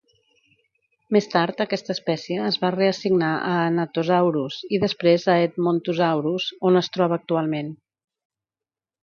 Més tard aquesta espècie es va reassignar a "Anatosaurus" i després a "Edmontosaurus", on es troba actualment.